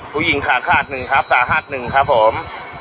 ขาขาดหนึ่งครับสาหัสหนึ่งครับผม